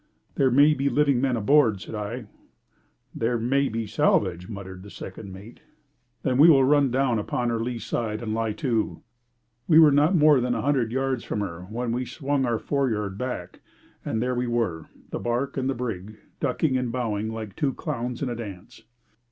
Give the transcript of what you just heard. "There may be living men aboard," said I. "There may be salvage," muttered the second mate. "Then we will run down upon her lee side, and lie to." We were not more than a hundred yards from her when we swung our foreyard aback, and there we were, the barque and the brig, ducking and bowing like two clowns in a dance.